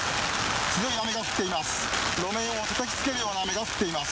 強い雨が降っています。